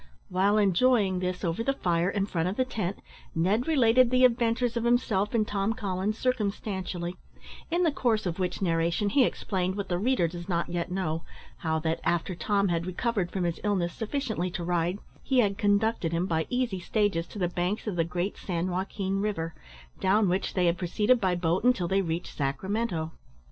While enjoying this over the fire in front of the tent, Ned related the adventures of himself and Tom Collins circumstantially; in the course of which narration he explained, what the reader does not yet know, how that, after Tom had recovered from his illness sufficiently to ride, he had conducted him by easy stages to the banks of the great San Joaquin river, down which they had proceeded by boat until they reached Sacramento.